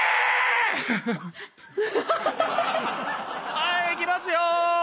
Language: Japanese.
はいいきますよ。